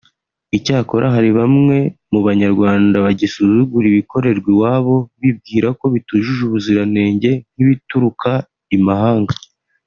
Icyakora hari bamwe mu Banyarwanda bagisuzugura ibikorerwa iwabo bibwira ko bitujuje ubuziranenge nk’ibituruka i mahanga